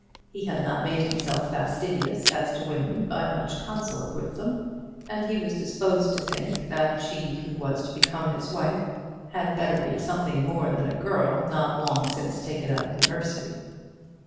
He had not made himself fastidious as to women by much consort with them, and he was disposed to think that she who was to become his wife had better be something more than a girl not long since taken out of the nursery.